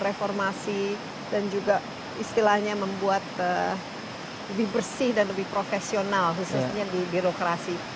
reformasi dan juga istilahnya membuat lebih bersih dan lebih profesional khususnya di birokrasi